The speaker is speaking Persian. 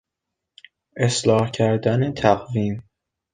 اصلاح کردن تقویم